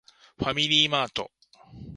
ファミリーマート